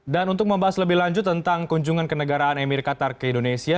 dan untuk membahas lebih lanjut tentang kunjungan kenegaraan emir qatar ke indonesia